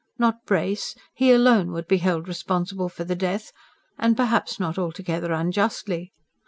Not Brace; he alone would be held responsible for the death; and perhaps not altogether unjustly.